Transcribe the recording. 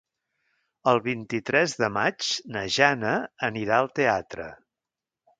El vint-i-tres de maig na Jana anirà al teatre.